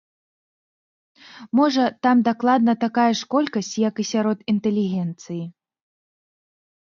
Можа, там дакладна такая ж колькасць, як і сярод інтэлігенцыі.